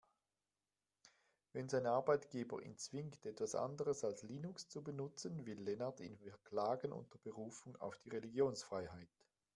Wenn sein Arbeitgeber ihn zwingt, etwas anderes als Linux zu benutzen, will Lennart ihn verklagen, unter Berufung auf die Religionsfreiheit.